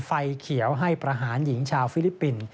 ไฟเขียวให้ประหารหญิงชาวฟิลิปปินส์